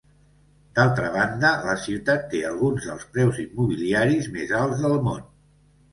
D'altra banda, la ciutat té alguns dels preus immobiliaris més alts del món.